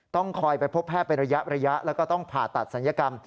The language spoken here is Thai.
ต้องคอยไปพบแพทย์เป็นระยะแล้วก็ต้องผ่าตัดศัลยกรรม